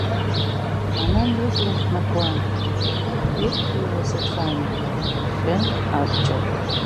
Анан лыбла хнакуан, ирҭиуаз ацәамаҭәа, ахьы, абџьар.